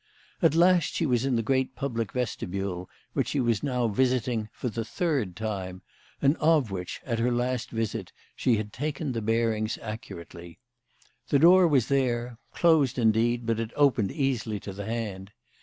At last she was in the great public vestibule, which she was now visiting for the third time, and of which, at her last visit, she had taken the bearings accurately. The door was there closed, indeed, but it opened easily to the hand.